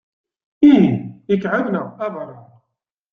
Ih, ikɛeb neɣ abaṛeɣ.